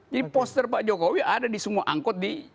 jadi poster pak jokowi ada di semua angkot di